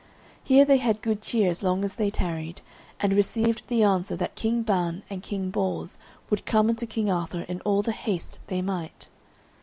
Here they had good cheer as long as they tarried, and received the answer that King Ban and King Bors would come unto King Arthur in all the haste they might.